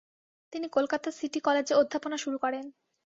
তিনি কলকাতা সিটি কলেজে অধ্যাপনা শুরু করেন।